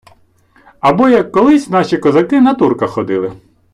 - Або як колись наші козаки на турка ходили.